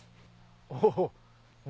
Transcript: お！